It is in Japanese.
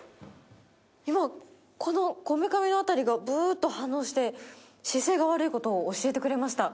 今、こめかみの辺りがブーッと反応して、姿勢が悪いことを教えてくれました。